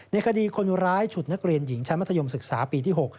ในคดีคนร้ายฉุดนักเรียนหญิงชั้นมัธยมศึกษาปีที่๖